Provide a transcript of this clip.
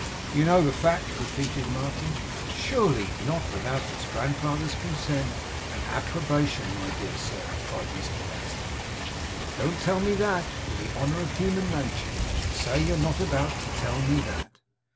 'You know the fact?' repeated Martin 'Surely not without his grandfather's consent and approbation my dear sir!' cried Mr Pecksniff. 'Don't tell me that. For the honour of human nature, say you're not about to tell me that!